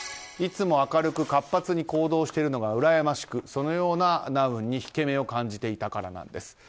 いつも明るく活発に行動しているのがうらやましくそのようなナウンに引け目を感じていたからです。